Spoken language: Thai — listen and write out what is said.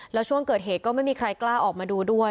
แล้วช่วงเกิดเหตุก็ไม่มีใครกล้าออกมาดูด้วย